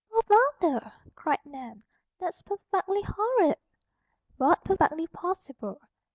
"Oh, Father!" cried Nan. "That's perfectly horrid!" "But perfectly possible.